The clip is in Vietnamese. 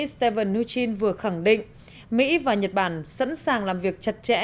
stephen mnuchin vừa khẳng định mỹ và nhật bản sẵn sàng làm việc chặt chẽ